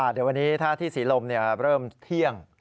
เดี๋ยววันนี้ถ้าที่ศรีลมเริ่มเที่ยง